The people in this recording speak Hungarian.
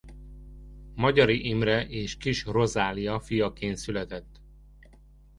Magyari Imre és Kiss Rozália fiaként született.